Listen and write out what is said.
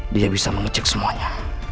dia bisa mengecek semuanya